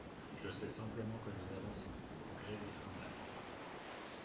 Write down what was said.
Je sais simplement que nous avançons, au gré des scandales.